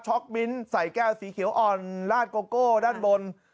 มิ้นท์ใส่แก้วสีเขียวอ่อนลาดโกโก้ด้านบน